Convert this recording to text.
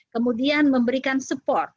kemudian memberikan support